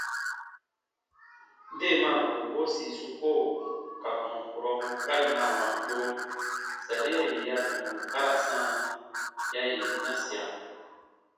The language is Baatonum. Deemaan kookoo sì su koo ka tɔn kurɔbu kari naawa kpuro, saria yè ya tɔmbu karɑ sãa ya yè yinasia.